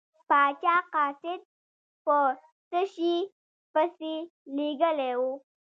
پاچا قاصد په څه شي پسې لیږلی و.